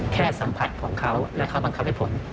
แค่สัมผัสของเขาและเขาบังคับให้ผล